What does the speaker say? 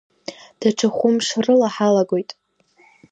Даҽа хәымш рыла ҳалагоит.